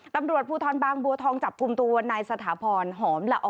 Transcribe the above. ตำรวจภูทรบางบัวทองจับกลุ่มตัวนายสถาพรหอมละอ